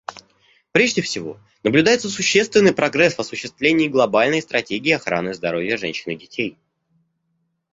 Прежде всего, наблюдается существенный прогресс в осуществлении Глобальной стратегии охраны здоровья женщин и детей.